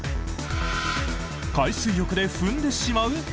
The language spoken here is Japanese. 海水浴で踏んでしまう？